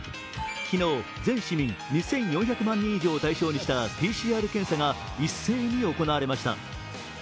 昨日、全市民２４００万人以上を対象としたＰＣＲ検査が一斉に行われました。